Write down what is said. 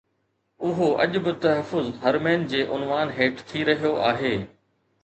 اهو اڄ به تحفظ حرمين جي عنوان هيٺ ٿي رهيو آهي